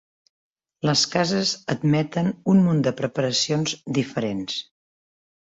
Les cases admeten un munt de preparacions diferents.